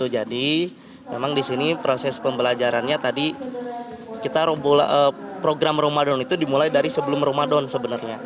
jadi memang di sini proses pembelajarannya tadi program ramadan itu dimulai dari sebelum ramadan sebenarnya